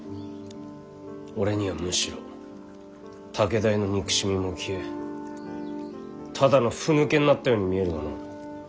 俺にはむしろ武田への憎しみも消えただのふぬけになったように見えるがのう。